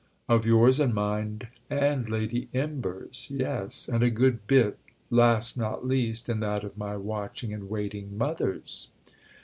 "Of yours and mine and Lady Imber's, yes—and a good bit, last not least, in that of my watching and waiting mother's."